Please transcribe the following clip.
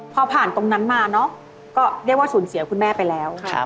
พอผ่านตรงนั้นมาเนอะก็เรียกว่าสูญเสียคุณแม่ไปแล้ว